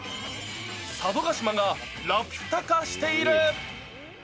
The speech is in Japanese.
佐渡島がラピュタ化している？